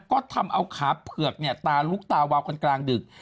ก็ทำเอาขาเผือกตาลุกตาวาวกันกลางดึก